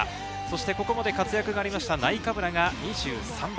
ここまで活躍がありました、ナイカブラが２３番。